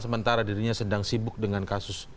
sementara dirinya sedang sibuk dengan kasus